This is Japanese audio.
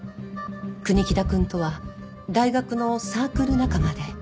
国木田くんとは大学のサークル仲間で。